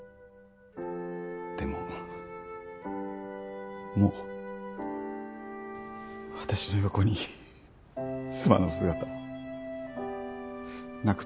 でももう私の横に妻の姿はなくて。